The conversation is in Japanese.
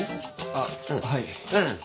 あっはい。